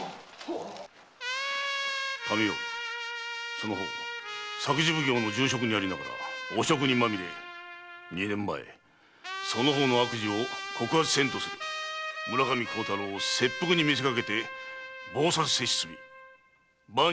その方作事奉行の重職にありながら汚職にまみれ二年前その方の悪事を告発せんとする村上幸太郎を切腹に見せかけて謀殺せし罪万死に値する。